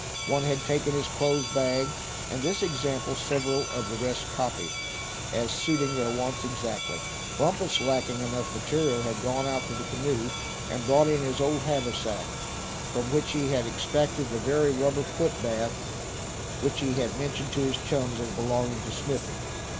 One had taken his clothes bag, and this example several of the rest copied, as suiting their wants exactly. Bumpus, lacking enough material, had gone out to the canoe and brought in his old haversack, from which he extracted the very rubber foot bath which he had mentioned to his chums as belonging to Smithy.